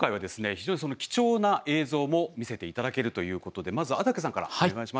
非常に貴重な映像も見せていただけるということでまず安宅さんからお願いします。